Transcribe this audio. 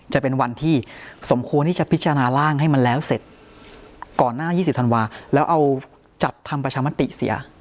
จะเป็นวันที่สมควรที่จะพิจารณาร่างให้มันแล้วเสร็จก่อนหน้า๒๐ธันวาแล้วเอาจัดทำประชามติเสีย